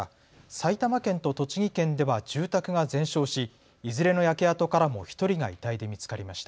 埼玉県と栃木県では住宅が全焼しいずれの焼け跡からも１人が遺体で見つかりました。